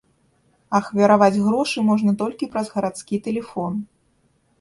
Ахвяраваць грошы можна толькі праз гарадскі тэлефон.